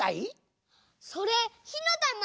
それひのたま？